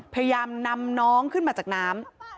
พยายามนำน้องขึ้นมาจากน้ำ